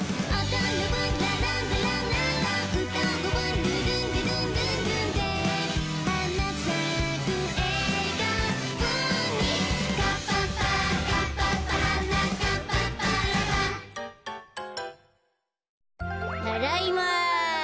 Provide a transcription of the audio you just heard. ただいま。